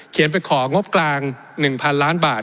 ไปของงบกลาง๑๐๐๐ล้านบาท